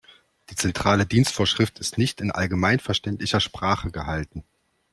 Die Zentrale Dienstvorschrift ist nicht in allgemeinverständlicher Sprache gehalten.